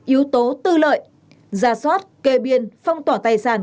yếu tố tư lợi ra soát kê biên phong tỏa tài sản